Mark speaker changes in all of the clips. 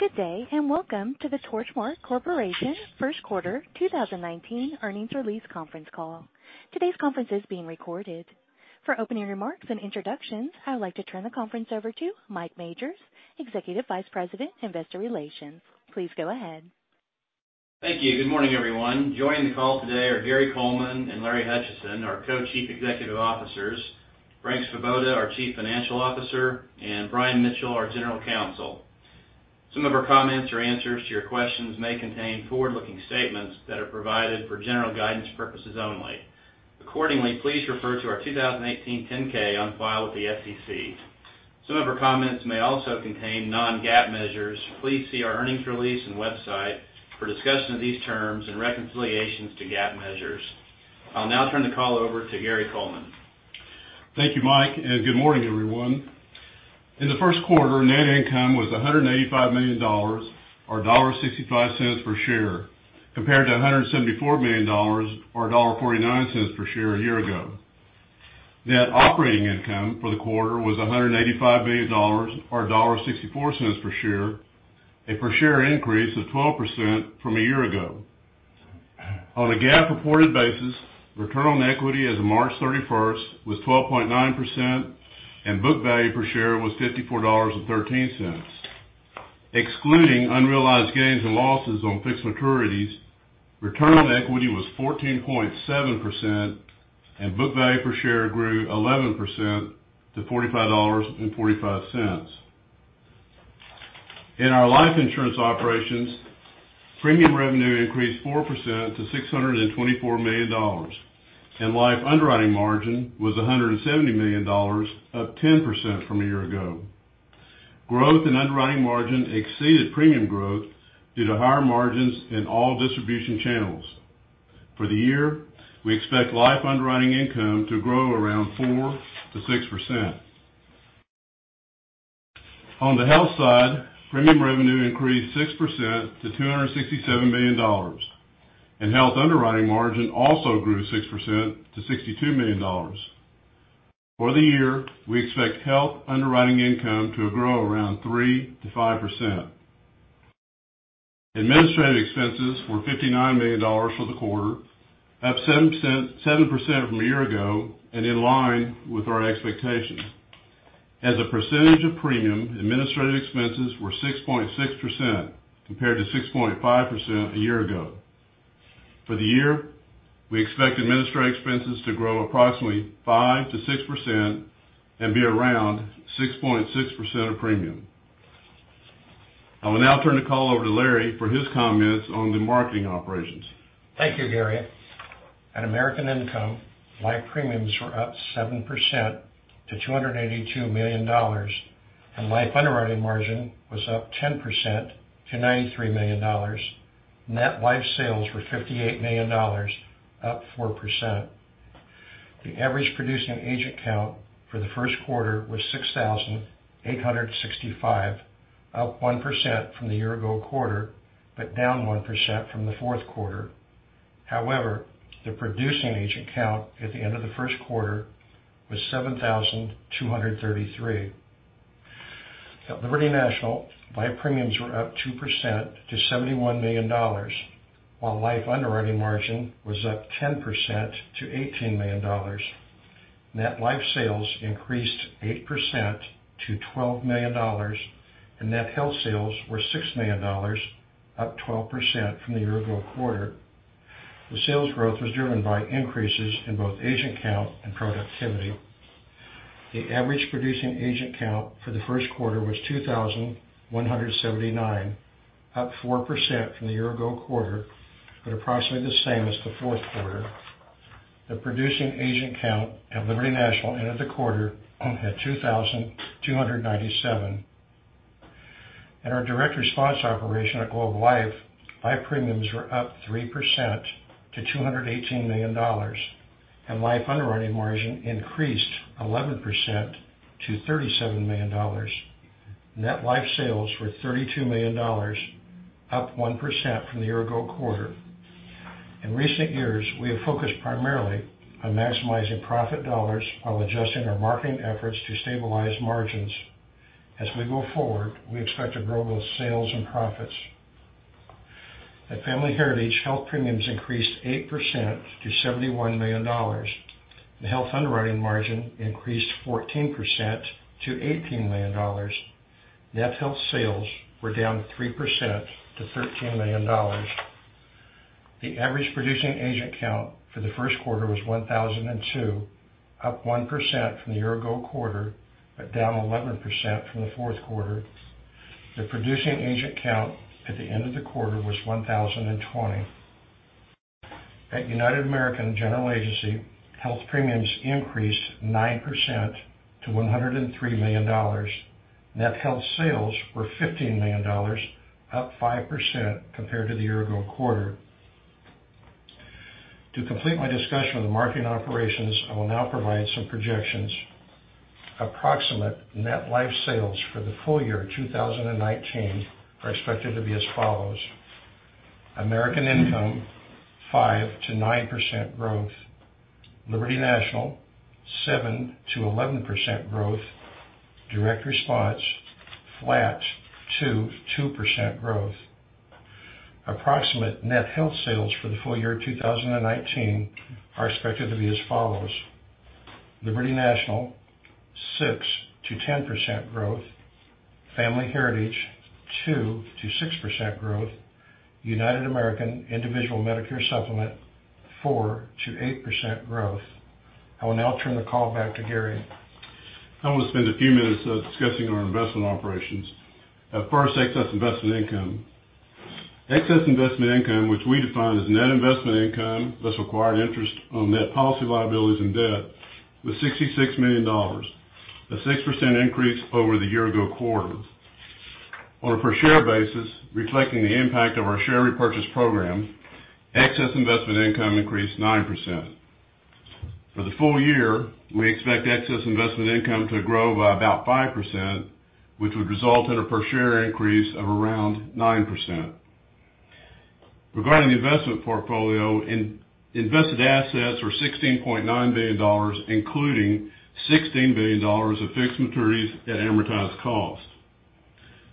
Speaker 1: Good day, and welcome to the Torchmark Corporation First Quarter 2019 Earnings Release Conference Call. Today's conference is being recorded. For opening remarks and introductions, I would like to turn the conference over to Mike Majors, Executive Vice President, Investor Relations. Please go ahead.
Speaker 2: Thank you. Good morning, everyone. Joining the call today are Gary Coleman and Larry Hutchison, our Co-Chief Executive Officers, Frank Svoboda, our Chief Financial Officer, and Brian Mitchell, our General Counsel. Some of our comments or answers to your questions may contain forward-looking statements that are provided for general guidance purposes only. Accordingly, please refer to our 2018 10-K on file with the SEC. Some of our comments may also contain non-GAAP measures. Please see our earnings release and website for discussion of these terms and reconciliations to GAAP measures. I'll now turn the call over to Gary Coleman.
Speaker 3: Thank you, Mike, and good morning, everyone. In the first quarter, net income was $185 million, or $1.65 per share, compared to $174 million, or $1.49 per share a year ago. Net operating income for the quarter was $185 million, or $1.64 per share, a per-share increase of 12% from a year ago. On a GAAP reported basis, return on equity as of March 31st was 12.9%, and book value per share was $54.13. Excluding unrealized gains and losses on fixed maturities, return on equity was 14.7%, and book value per share grew 11% to $45.45. In our life insurance operations, premium revenue increased 4% to $624 million, and life underwriting margin was $170 million, up 10% from a year ago. Growth in underwriting margin exceeded premium growth due to higher margins in all distribution channels. For the year, we expect life underwriting income to grow around 4%-6%. On the health side, premium revenue increased 6% to $267 million, and health underwriting margin also grew 6% to $62 million. For the year, we expect health underwriting income to grow around 3%-5%. Administrative expenses were $59 million for the quarter, up 7% from a year ago and in line with our expectations. As a percentage of premium, administrative expenses were 6.6% compared to 6.5% a year ago. For the year, we expect administrative expenses to grow approximately 5%-6% and be around 6.6% of premium. I will now turn the call over to Larry for his comments on the marketing operations.
Speaker 4: Thank you, Gary. At American Income, life premiums were up 7% to $282 million, and life underwriting margin was up 10% to $93 million. Net life sales were $58 million, up 4%. The average producing agent count for the first quarter was 6,865, up 1% from the year-ago quarter, but down 1% from the fourth quarter. However, the producing agent count at the end of the first quarter was 7,233. At Liberty National, life premiums were up 2% to $71 million, while life underwriting margin was up 10% to $18 million. Net life sales increased 8% to $12 million, and net health sales were $6 million, up 12% from the year-ago quarter. The sales growth was driven by increases in both agent count and productivity. The average producing agent count for the first quarter was 2,179, up 4% from the year-ago quarter, but approximately the same as the fourth quarter. The producing agent count at Liberty National end of the quarter at 2,297. At our Direct Response operation at Globe Life, life premiums were up 3% to $218 million, and life underwriting margin increased 11% to $37 million. Net life sales were $32 million, up 1% from the year-ago quarter. In recent years, we have focused primarily on maximizing profit dollars while adjusting our marketing efforts to stabilize margins. As we go forward, we expect to grow both sales and profits. At Family Heritage, health premiums increased 8% to $71 million. The health underwriting margin increased 14% to $18 million. Net health sales were down 3% to $13 million. The average producing agent count for the first quarter was 1,002, up 1% from the year-ago quarter, but down 11% from the fourth quarter. The producing agent count at the end of the quarter was 1,020. At United American General Agency, health premiums increased 9% to $103 million. Net health sales were $15 million, up 5% compared to the year-ago quarter. To complete my discussion of the marketing operations, I will now provide some projections. Approximate net life sales for the full year 2019 are expected to be as follows: American Income, 5% to 9% growth. Liberty National, 7% to 11% growth. Direct Response, flat to 2% growth. Approximate net health sales for the full year 2019 are expected to be as follows. Liberty National, 6% to 10% growth. Family Heritage, 2% to 6% growth. United American Individual Medicare Supplement, 4% to 8% growth. I will now turn the call back to Gary.
Speaker 3: I want to spend a few minutes discussing our investment operations. First, excess investment income. Excess investment income, which we define as net investment income, less required interest on net policy liabilities and debt, was $66 million, a 6% increase over the year-ago quarter. On a per share basis, reflecting the impact of our share repurchase program, excess investment income increased 9%. For the full year, we expect excess investment income to grow by about 5%, which would result in a per share increase of around 9%. Regarding the investment portfolio, invested assets were $16.9 billion, including $16 billion of fixed maturities at amortized cost.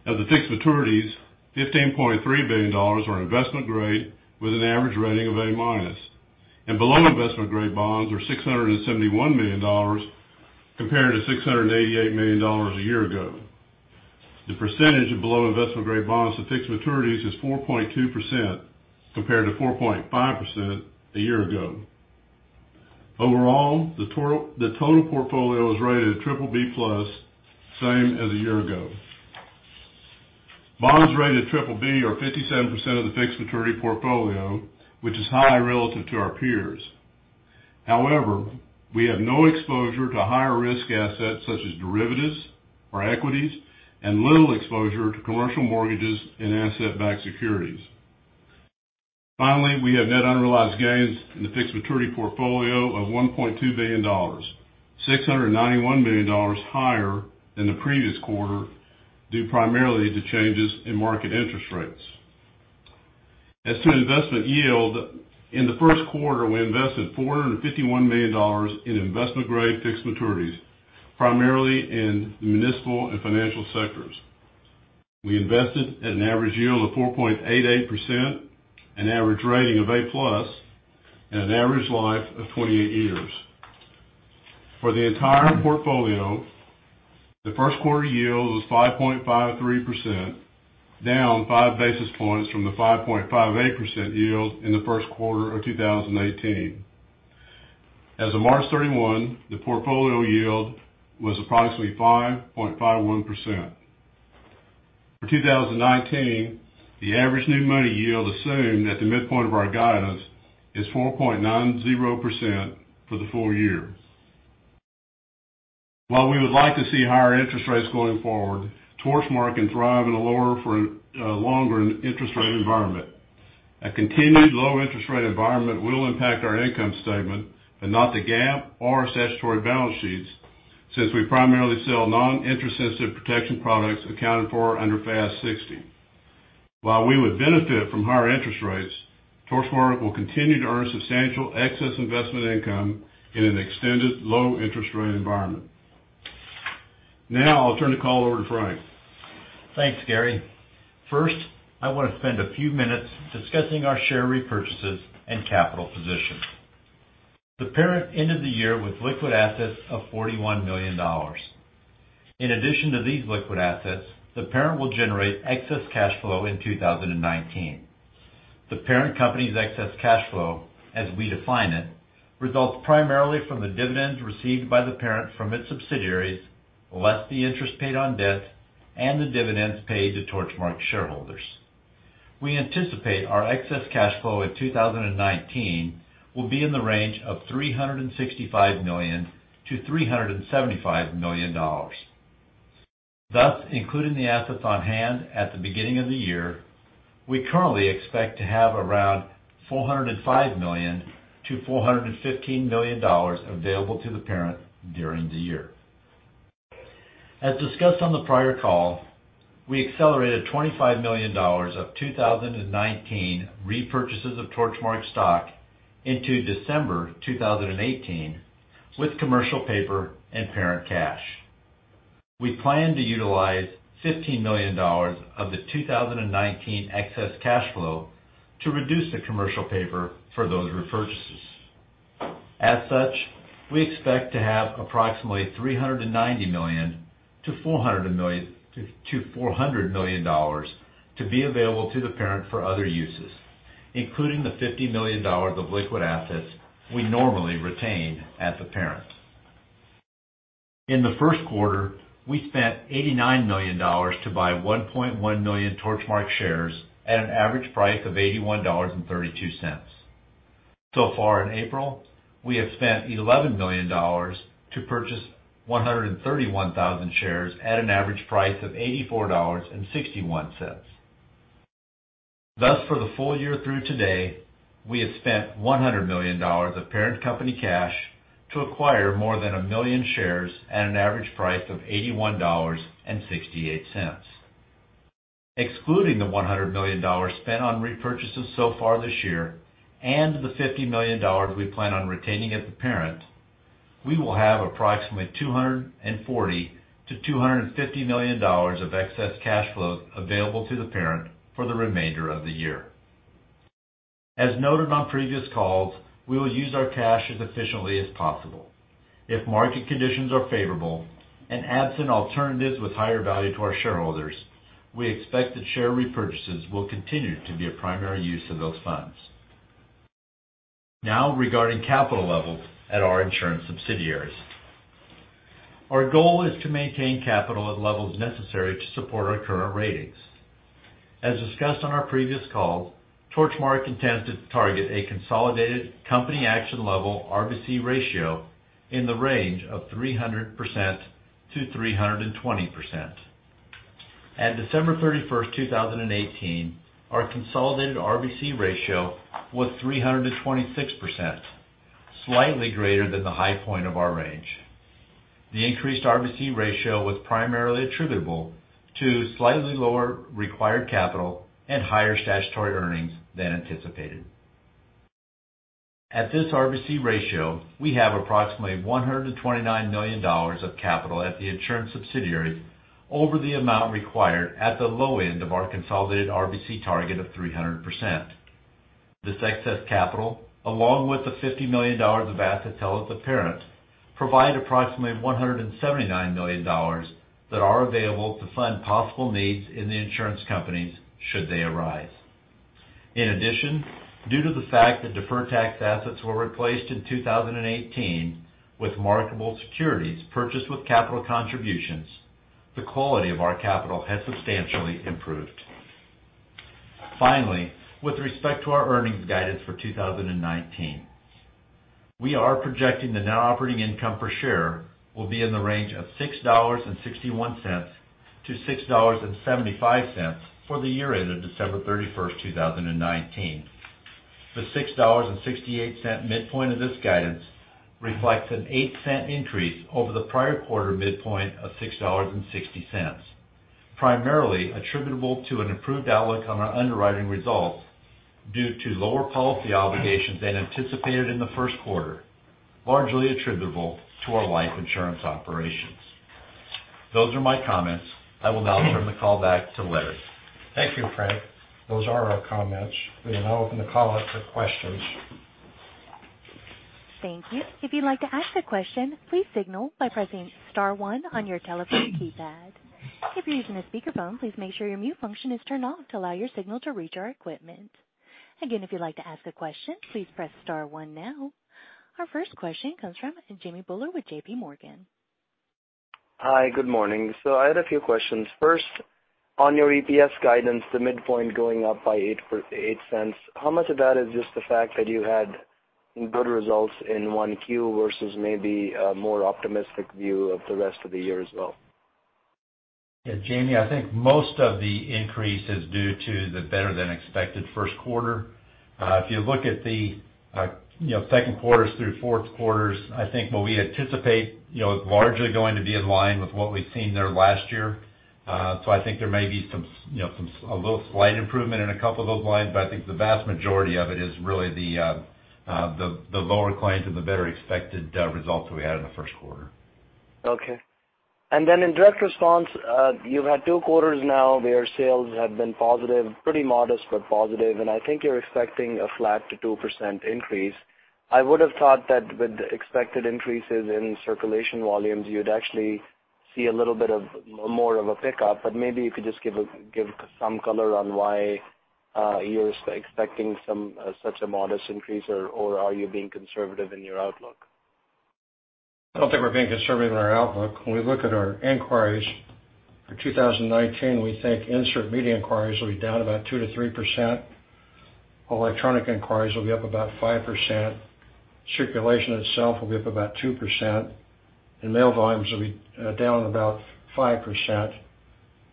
Speaker 3: Of the fixed maturities, $15.3 billion are investment grade with an average rating of A-minus, and below investment-grade bonds are $671 million compared to $688 million a year ago. The percentage of below investment-grade bonds to fixed maturities is 4.2% compared to 4.5% a year ago. Overall, the total portfolio is rated BBB-plus, same as a year ago. Bonds rated BBB are 57% of the fixed maturity portfolio, which is high relative to our peers. However, we have no exposure to higher risk assets such as derivatives or equities and little exposure to commercial mortgages and asset-backed securities. Finally, we have net unrealized gains in the fixed maturity portfolio of $1.2 billion, $691 million higher than the previous quarter, due primarily to changes in market interest rates. As to investment yield, in the first quarter, we invested $451 million in investment-grade fixed maturities, primarily in the municipal and financial sectors. We invested at an average yield of 4.88%, an average rating of A-plus, and an average life of 28 years. For the entire portfolio, the first quarter yield was 5.53%, down five basis points from the 5.58% yield in the first quarter of 2018. As of March 31, the portfolio yield was approximately 5.51%. For 2019, the average new money yield assumed at the midpoint of our guidance is 4.90% for the full year. While we would like to see higher interest rates going forward, Torchmark can thrive in a lower for longer interest rate environment. A continued low interest rate environment will impact our income statement and not the GAAP or statutory balance sheets, since we primarily sell non-interest sensitive protection products accounted for under FAS 60. While we would benefit from higher interest rates, Torchmark will continue to earn substantial excess investment income in an extended low interest rate environment. Now, I'll turn the call over to Frank.
Speaker 5: Thanks, Gary. First, I want to spend a few minutes discussing our share repurchases and capital position. The parent ended the year with liquid assets of $41 million. In addition to these liquid assets, the parent will generate excess cash flow in 2019. The parent company's excess cash flow, as we define it, results primarily from the dividends received by the parent from its subsidiaries, less the interest paid on debt and the dividends paid to Torchmark shareholders. We anticipate our excess cash flow in 2019 will be in the range of $365 million-$375 million. Thus, including the assets on hand at the beginning of the year, we currently expect to have around $405 million-$415 million available to the parent during the year. As discussed on the prior call, we accelerated $25 million of 2019 repurchases of Torchmark stock into December 2018 with commercial paper and parent cash. We plan to utilize $15 million of the 2019 excess cash flow to reduce the commercial paper for those repurchases. As such, we expect to have approximately $390 million-$400 million to be available to the parent for other uses, including the $50 million of liquid assets we normally retain at the parent. In the first quarter, we spent $89 million to buy 1.1 million Torchmark shares at an average price of $81.32. So far in April, we have spent $11 million to purchase 131,000 shares at an average price of $84.61. For the full year through today, we have spent $100 million of parent company cash to acquire more than a million shares at an average price of $81.68. Excluding the $100 million spent on repurchases so far this year and the $50 million we plan on retaining at the parent, we will have approximately $240 million-$250 million of excess cash flow available to the parent for the remainder of the year. As noted on previous calls, we will use our cash as efficiently as possible. If market conditions are favorable, and absent alternatives with higher value to our shareholders, we expect that share repurchases will continue to be a primary use of those funds. Now, regarding capital levels at our insurance subsidiaries. Our goal is to maintain capital at levels necessary to support our current ratings. As discussed on our previous call, Torchmark intends to target a consolidated company action level RBC ratio in the range of 300%-320%. At December 31st, 2018, our consolidated RBC ratio was 326%, slightly greater than the high point of our range. The increased RBC ratio was primarily attributable to slightly lower required capital and higher statutory earnings than anticipated. At this RBC ratio, we have approximately $129 million of capital at the insurance subsidiaries over the amount required at the low end of our consolidated RBC target of 300%. This excess capital, along with the $50 million of assets held at the parent, provide approximately $179 million that are available to fund possible needs in the insurance companies should they arise. In addition, due to the fact that deferred tax assets were replaced in 2018 with marketable securities purchased with capital contributions, the quality of our capital has substantially improved. Finally, with respect to our earnings guidance for 2019, we are projecting the net operating income per share will be in the range of $6.61-$6.75 for the year ended December 31st, 2019. The $6.68 midpoint of this guidance reflects an $0.08 increase over the prior quarter midpoint of $6.60, primarily attributable to an improved outlook on our underwriting results due to lower policy obligations than anticipated in the first quarter, largely attributable to our life insurance operations. Those are my comments. I will now turn the call back to Larry.
Speaker 4: Thank you, Frank. Those are our comments. We will now open the call up for questions.
Speaker 1: Thank you. If you'd like to ask a question, please signal by pressing *1 on your telephone keypad. If you're using a speakerphone, please make sure your mute function is turned off to allow your signal to reach our equipment. Again, if you'd like to ask a question, please press *1 now. Our first question comes from Jimmy Bhullar with JPMorgan.
Speaker 6: Hi. Good morning. I had a few questions. First, on your EPS guidance, the midpoint going up by $0.08, how much of that is just the fact that you had good results in 1Q versus maybe a more optimistic view of the rest of the year as well?
Speaker 5: Jimmy, I think most of the increase is due to the better-than-expected first quarter. If you look at the second quarters through fourth quarters, I think what we anticipate, largely going to be in line with what we've seen there last year. I think there may be a slight improvement in a couple of those lines, but I think the vast majority of it is really the lower claims and the better-expected results we had in the first quarter.
Speaker 6: Okay. In Direct Response, you've had 2 quarters now where sales have been positive, pretty modest, but positive, and I think you're expecting a flat to 2% increase. I would have thought that with expected increases in circulation volumes, you'd actually see a little bit of more of a pickup, but maybe you could just give some color on why you're expecting such a modest increase, or are you being conservative in your outlook?
Speaker 4: I don't think we're being conservative in our outlook. When we look at our inquiries for 2019, we think insert media inquiries will be down about 2% to 3%. Electronic inquiries will be up about 5%. Circulation itself will be up about 2%, and mail volumes will be down about 5%.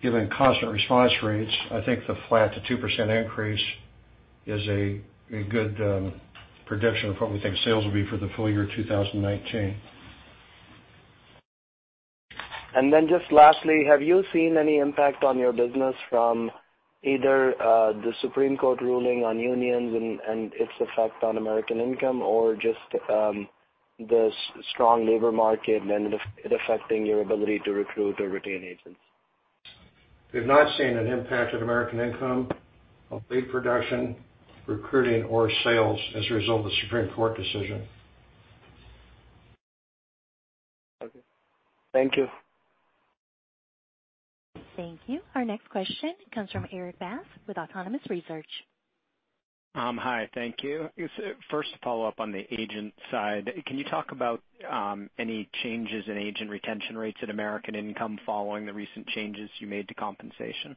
Speaker 4: Given constant response rates, I think the flat to 2% increase is a good prediction of what we think sales will be for the full year 2019.
Speaker 6: Just lastly, have you seen any impact on your business from either the Supreme Court ruling on unions and its effect on American Income, or just the strong labor market and it affecting your ability to recruit or retain agents?
Speaker 4: We've not seen an impact on American Income on lead production, recruiting, or sales as a result of the Supreme Court decision.
Speaker 6: Okay. Thank you.
Speaker 1: Thank you. Our next question comes from Erik Bass with Autonomous Research.
Speaker 7: Hi. Thank you. First, to follow up on the agent side, can you talk about any changes in agent retention rates at American Income following the recent changes you made to compensation?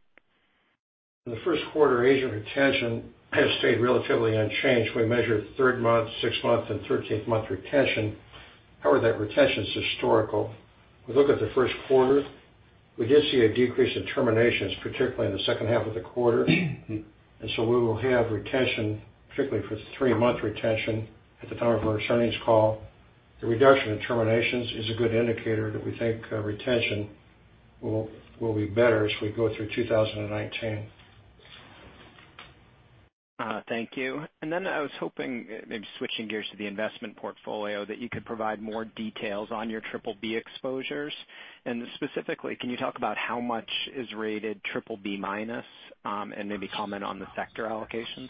Speaker 4: In the first quarter, agent retention has stayed relatively unchanged. We measure third-month, sixth-month, and 13th-month retention. However, that retention is historical. We look at the first quarter, we did see a decrease in terminations, particularly in the second half of the quarter. We will have retention, particularly for three-month retention at the time of our earnings call. The reduction in terminations is a good indicator that we think retention will be better as we go through 2019.
Speaker 7: Thank you. Then I was hoping, maybe switching gears to the investment portfolio, that you could provide more details on your BBB exposures. Specifically, can you talk about how much is rated BBB minus, and maybe comment on the sector allocations?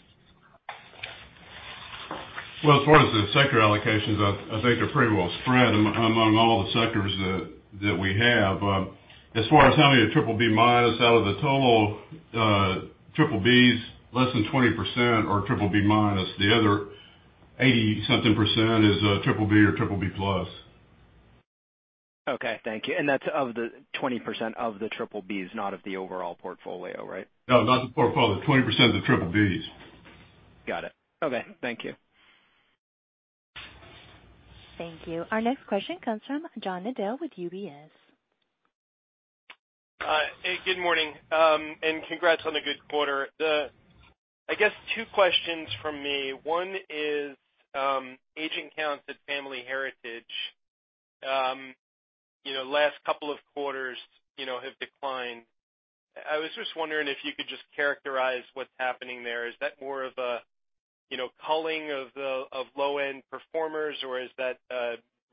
Speaker 3: Well, as far as the sector allocations, I think they're pretty well spread among all the sectors that we have. As far as how many are BBB minus, out of the total BBBs, less than 20% are BBB minus. The other 80-something% is BBB or BBB plus.
Speaker 7: Okay, thank you. That's 20% of the BBBs, not of the overall portfolio, right?
Speaker 3: No, not the portfolio. 20% of the BBBs.
Speaker 7: Got it. Okay. Thank you.
Speaker 1: Thank you. Our next question comes from John Nadel with UBS.
Speaker 8: Hi. Hey, good morning. Congrats on a good quarter. I guess two questions from me. One is agent counts at Family Heritage. Last couple of quarters have declined. I was just wondering if you could just characterize what's happening there. Is that more of a culling of low-end performers, or is that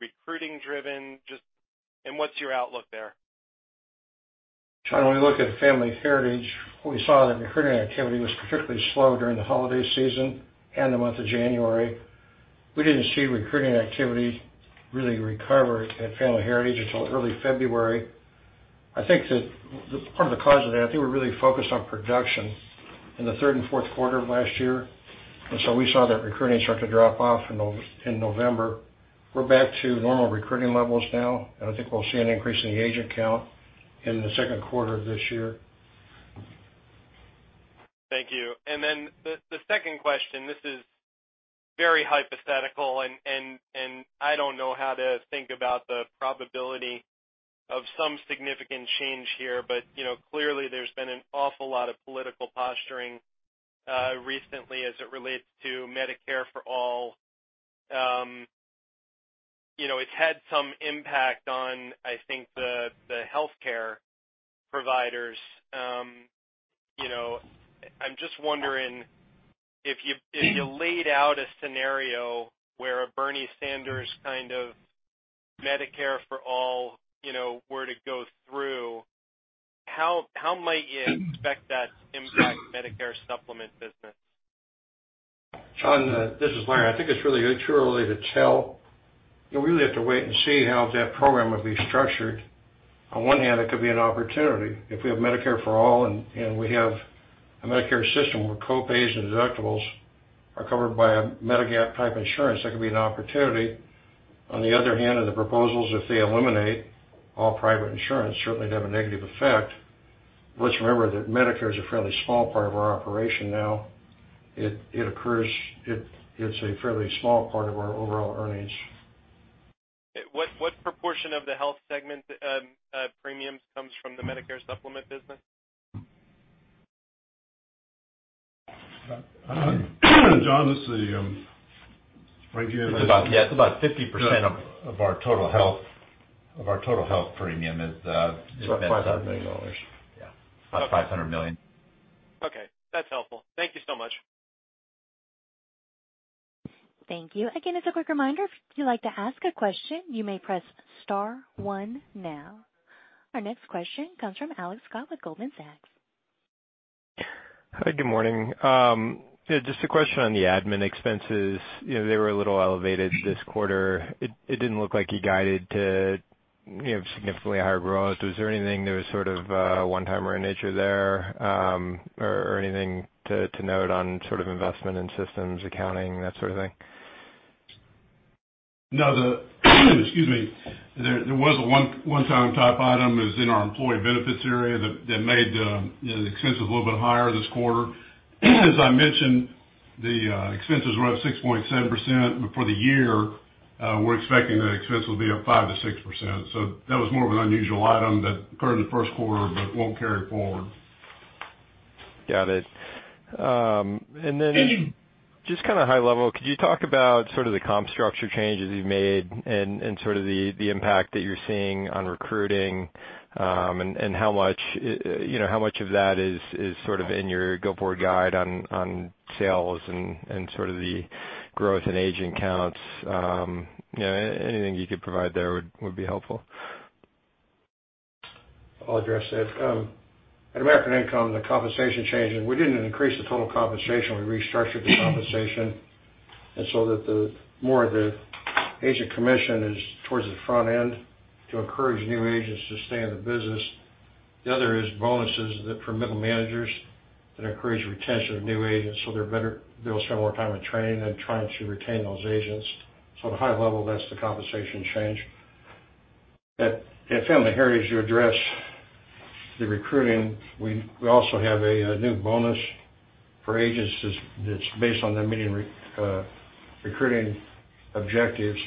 Speaker 8: recruiting driven? What's your outlook there?
Speaker 4: John, when we look at Family Heritage, we saw that recruiting activity was particularly slow during the holiday season and the month of January. We didn't see recruiting activity really recover at Family Heritage until early February. I think that part of the cause of that, I think we're really focused on production in the third and fourth quarter of last year. So we saw that recruiting start to drop off in November. We're back to normal recruiting levels now, and I think we'll see an increase in the agent count in the second quarter of this year.
Speaker 8: Thank you. Then the second question, this is very hypothetical, and I don't know how to think about the probability of some significant change here. Clearly, there's been an awful lot of political posturing recently as it relates to Medicare for All. It's had some impact on, I think, the healthcare providers. I'm just wondering, if you laid out a scenario where a Bernie Sanders kind of Medicare for All were to go through, how might you expect that to impact Medicare Supplement business?
Speaker 4: John, this is Larry. I think it's really too early to tell. We really have to wait and see how that program would be structured. On one hand, it could be an opportunity. If we have Medicare for All and we have a Medicare system where co-pays and deductibles are covered by a Medigap type insurance, that could be an opportunity. On the other hand, are the proposals, if they eliminate all private insurance, certainly they have a negative effect. Let's remember that Medicare is a fairly small part of our operation now. It's a fairly small part of our overall earnings.
Speaker 8: What proportion of the health segment premiums comes from the Medicare Supplement business?
Speaker 5: John, this is Frank Svoboda. It's about, yeah, it's about 50% of our total health premium.
Speaker 4: It's about $500 million.
Speaker 5: Yeah. About $500 million.
Speaker 8: Okay. That's helpful. Thank you so much.
Speaker 1: Thank you. Again, as a quick reminder, if you'd like to ask a question, you may press star one now. Our next question comes from Alex Scott with Goldman Sachs.
Speaker 9: Hi, good morning. Just a question on the admin expenses. They were a little elevated this quarter. It didn't look like you guided to significantly higher growth. Was there anything that was sort of one-timer in nature there, or anything to note on sort of investment in systems accounting, that sort of thing?
Speaker 3: No. Excuse me. There was a one-time type item. It was in our employee benefits area that made the expenses a little bit higher this quarter. As I mentioned, the expenses were up 6.7%, but for the year, we're expecting that expense will be up 5%-6%. That was more of an unusual item that occurred in the first quarter but won't carry forward.
Speaker 9: Got it. Just kind of high level, could you talk about sort of the comp structure changes you've made and sort of the impact that you're seeing on recruiting, and how much of that is sort of in your go-forward guide on sales and sort of the growth in agent counts? Anything you could provide there would be helpful.
Speaker 4: I'll address that. At American Income, the compensation changes, we didn't increase the total compensation. We restructured the compensation, so that the more the agent commission is towards the front end to encourage new agents to stay in the business. The other is bonuses for middle managers that encourage retention of new agents, so they'll spend more time in training and trying to retain those agents. At Family Heritage, to address the recruiting, we also have a new bonus for agents that's based on them meeting recruiting objectives.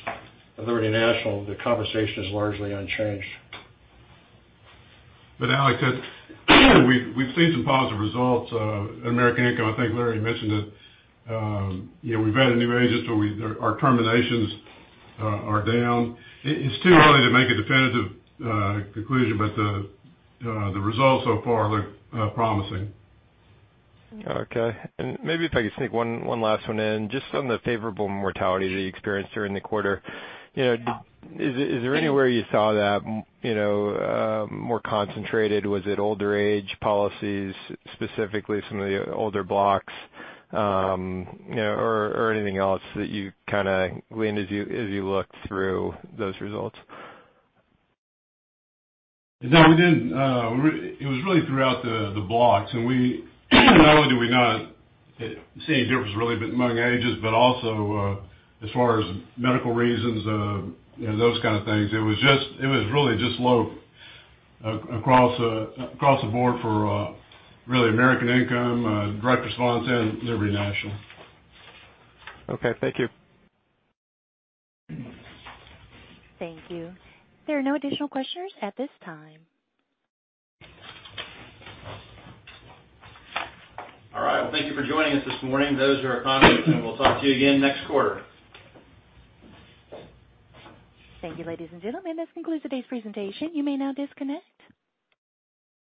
Speaker 4: At Liberty National, the compensation is largely unchanged.
Speaker 3: Alex, we've seen some positive results at American Income. I think Larry mentioned it. We've added new agents, our terminations are down. It's too early to make a definitive conclusion, the results so far look promising.
Speaker 9: Okay. Maybe if I could sneak one last one in, just on the favorable mortality that you experienced during the quarter. Is there anywhere you saw that more concentrated? Was it older age policies, specifically some of the older blocks, anything else that you kind of gleaned as you looked through those results?
Speaker 3: No, we didn't. It was really throughout the blocks. Not only do we not see a difference really among ages, as far as medical reasons, those kind of things. It was really just low across the board for really American Income, Direct Response, and Liberty National.
Speaker 9: Okay, thank you.
Speaker 1: Thank you. There are no additional questions at this time.
Speaker 4: All right. Well, thank you for joining us this morning. Those are our comments, and we'll talk to you again next quarter.
Speaker 1: Thank you, ladies and gentlemen. This concludes today's presentation. You may now disconnect.